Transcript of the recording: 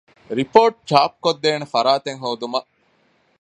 ރިޕޯޓު ޗާޕުކޮށްދޭނެ ފަރާތެއް ހޯދުމަށް